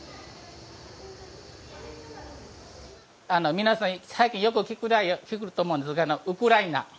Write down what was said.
皆さん最近よく聞くと思うんですがウクライナ。